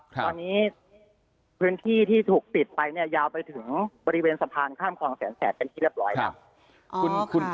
ตอนนี้พื้นที่ที่ถูกปิดไปเนี่ยยาวไปถึงบริเวณสะพานข้ามคลองแสนแสบเป็นที่เรียบร้อยแล้ว